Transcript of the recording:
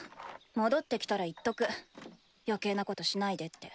戻ってきたら言っとく余計なことしないでって。